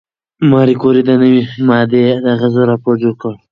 ماري کوري د نوې ماده د اغېزو راپور جوړ کړ.